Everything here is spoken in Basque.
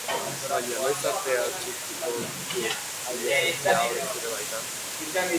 Baina noiz arte atxikiko duzu inozentzia hori, zure baitan?